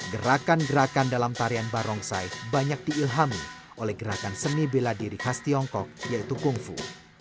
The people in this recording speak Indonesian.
gerakan gerakan dalam tarian barongsai banyak diilhami oleh gerakan seni bela diri khas tiongkok yaitu kungfu